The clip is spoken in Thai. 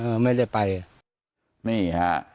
อืมไม่ได้ไปแค่นี้ฮะ